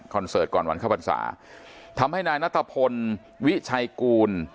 เสิร์ตก่อนวันเข้าพรรษาทำให้นายนัตรพลวิชัยกูล